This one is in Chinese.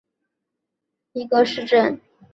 曼波雷是巴西巴拉那州的一个市镇。